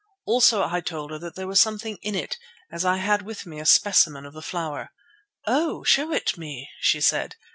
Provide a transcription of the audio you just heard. Also I told her that there was something in it, as I had with me a specimen of the flower. "Oh! show it me," she said.